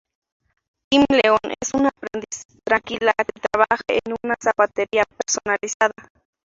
Kim Leon es una aprendiz tranquila que trabaja en una zapatería personalizada.